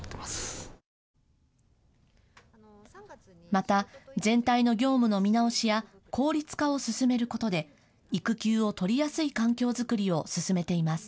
また全体の業務の見直しや効率化を進めることで育休を取りやすい環境作りを進めています。